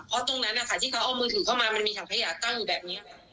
เพราะตรงนั้นนะคะที่เขาเอามือถือเข้ามามันมีถังขยะตั้งอยู่แบบนี้